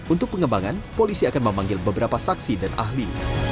untuk pengembangan polisi akan memanggil beberapa saksi dan ahli